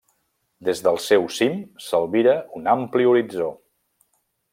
Des del seu cim s'albira un ampli horitzó.